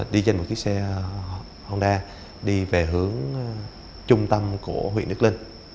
đi trên một chiếc xe honda đi về hướng trung tâm của huyện đức linh